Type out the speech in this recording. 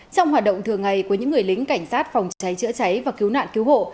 trong hoạt động thường ngày của những người lính cảnh sát phòng cháy chữa cháy và cứu nạn cứu hộ